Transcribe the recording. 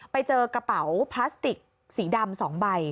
ไปเจอกระเป๋าพลาสติกสีดำ๒ใบ